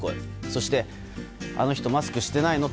そして、あの人マスクしてないの？